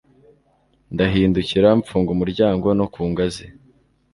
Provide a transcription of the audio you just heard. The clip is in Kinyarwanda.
Ndahindukira mfunga umuryango no ku ngazi